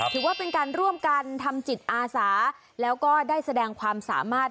ถือว่าเป็นการร่วมกันทำจิตอาสาแล้วก็ได้แสดงความสามารถ